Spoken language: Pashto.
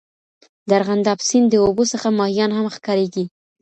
د ارغنداب سیند د اوبو څخه ماهیان هم ښکارېږي.